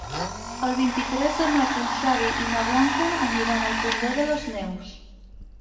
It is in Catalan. El vint-i-tres de maig en Xavi i na Blanca aniran al Fondó de les Neus.